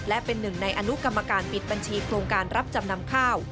และเป็นหนึ่งในอนุกรรมการปิดบัญชีโครงการรับจำนำข้าว